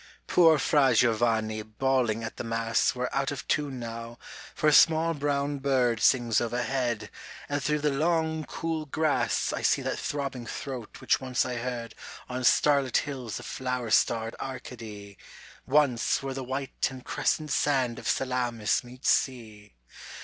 Poor Fra Giovanni bawling at the mass Were out of tune now, for a small brown bird Sings overhead, and through the long cool grass I see that throbbing throat which once I heard On starlit hills of flower starred Arcady, Once where the white and crescent sand of Salamis meets sea.